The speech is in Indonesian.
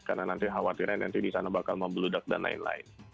karena nanti khawatirannya nanti di sana bakal membludak dan lain lain